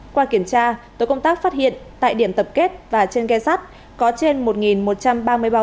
qua kiểm tra tổ công tác phát hiện tại điểm tập kết và trên ghe sắt có trên một một trăm ba mươi bao